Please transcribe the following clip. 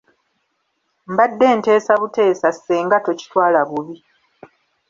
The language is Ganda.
Mbadde nteesa buteesa Ssenga tokitwala bubi.